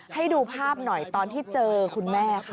ให้ดูภาพหน่อยตอนที่เจอคุณแม่ค่ะ